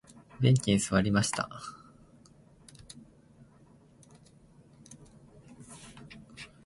ベンチに座りました。